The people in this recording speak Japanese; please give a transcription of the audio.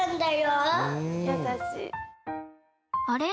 あれ？